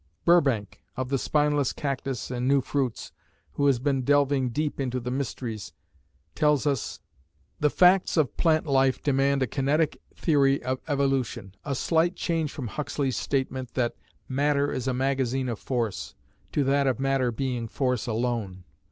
Burbank, of the spineless cactus and new fruits, who has been delving deep into the mysteries, tells us: The facts of plant life demand a kinetic theory of evolution, a slight change from Huxley's statement that, "Matter is a magazine of force," to that of matter being force alone.